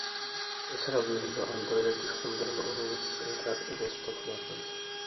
এছাড়াও বিভিন্ন আন্তর্জাতিক সম্মেলন ও অনুষ্ঠানে তার উপস্থাপনা রয়েছে।